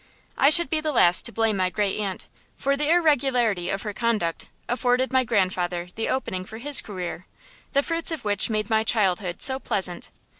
I should be the last to blame my great aunt, for the irregularity of her conduct afforded my grandfather the opening for his career, the fruits of which made my childhood so pleasant.